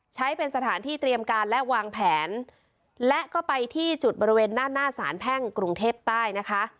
ใช้เป็นสถานที่เตรียมการและวางแผนและก็ไปที่จุดบริเวณด้านหน้าสารแพ่งกรุงเทพใต้นะคะ